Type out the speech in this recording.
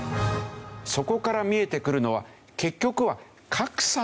そこから見えてくるのは結局は。